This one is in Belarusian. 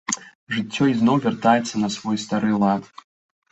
Жыццё ізноў вяртаецца на свой стары лад.